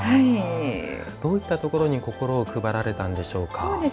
どういったところに心を配られたんでしょうか。